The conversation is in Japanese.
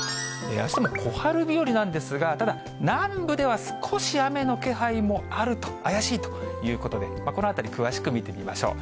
あしたも小春日和なんですが、ただ、南部では少し雨の気配もあると、怪しいということで、このあたり、詳しく見てみましょう。